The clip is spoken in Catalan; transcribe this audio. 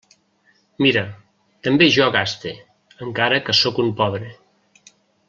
Mira, també jo gaste, encara que sóc un pobre.